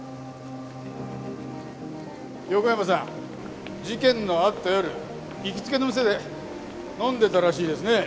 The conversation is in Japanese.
横山さん事件のあった夜行きつけの店で飲んでたらしいですね。